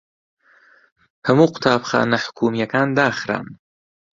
هەموو قوتابخانە حکوومییەکان داخران.